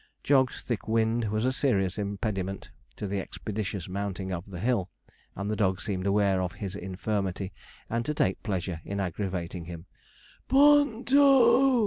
Jog's thick wind was a serious impediment to the expeditious mounting of the hill, and the dog seemed aware of his infirmity, and to take pleasure in aggravating him. 'P o o n to!'